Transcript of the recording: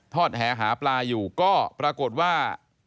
แหหาปลาอยู่ก็ปรากฏว่า